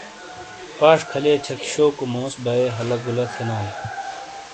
پاش کھلئے چھک شوکو موس بائے ہلہ گلہ تھینالے۔